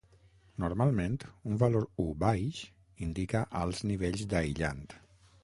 Normalment, un valor U baix indica alts nivells d'aïllant.